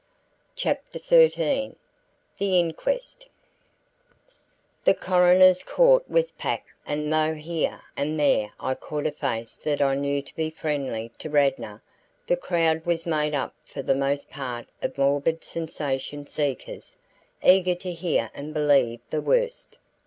CHAPTER XIII THE INQUEST The coroner's court was packed; and though here and there I caught a face that I knew to be friendly to Radnor, the crowd was made up for the most part of morbid sensation seekers, eager to hear and believe the worst.